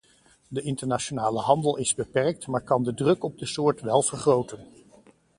De internationale handel is beperkt maar kan de druk op de soort wel vergroten.